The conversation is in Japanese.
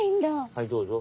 はいどうぞ。